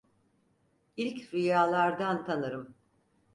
İlk rüyalardan tanırım.